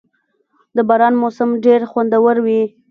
• د باران موسم ډېر خوندور وي.